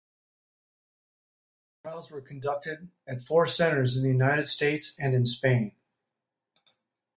The trials were conducted at four centers in the United States and in Spain.